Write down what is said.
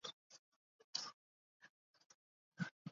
The unused third rail on the M and E was subsequently removed.